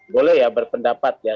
boleh ya berpendapat ya